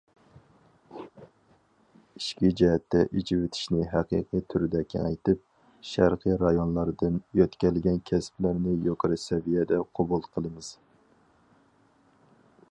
ئىچكى جەھەتتە ئېچىۋېتىشنى ھەقىقىي تۈردە كېڭەيتىپ، شەرقىي رايونلاردىن يۆتكەلگەن كەسىپلەرنى يۇقىرى سەۋىيەدە قوبۇل قىلىمىز.